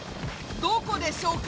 どこでしょうか？